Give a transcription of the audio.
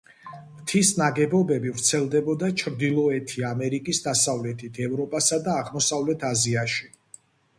მთის ნაგებობები ვრცელდებოდა ჩრდილოეთი ამერიკის დასავლეთით, ევროპასა და აღმოსავლეთ აზიაში.